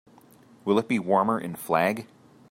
Will it be warmer in Flag?